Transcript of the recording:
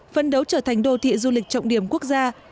phân đấu trở thành đô thị du lịch trọng điểm quốc gia